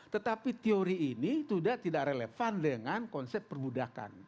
tetapi teori ini sudah tidak relevan dengan konsep perbudakan